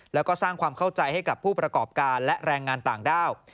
แล้วก็สร้างความเข้าใจให้กับผู้ประกอบการและแรงงานต่างด้าว